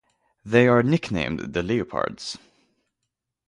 They are nicknamed "the Leopards".